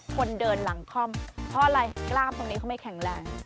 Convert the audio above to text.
คนเดินหลังคล่อมเพราะอะไรกล้ามตรงนี้เขาไม่แข็งแรง